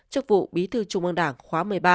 chức vụ bí thư trung ương đảng khóa một mươi ba